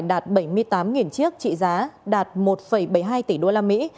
đạt bảy mươi tám chiếc trị giá đạt một bảy mươi hai tỷ đô la mỹ